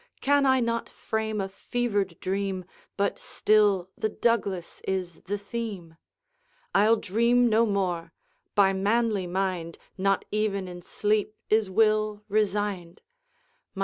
Can I not frame a fevered dream, But still the Douglas is the theme? I'll dream no more, by manly mind Not even in sleep is will resigned.